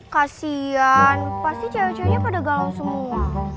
kasian pasti cewek ceweknya pada galau semua